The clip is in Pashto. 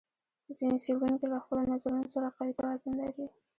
ځینې څېړونکي له خپلو نظرونو سره قوي توازن لري.